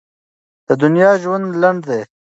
د دنیا ژوند لنډ دی.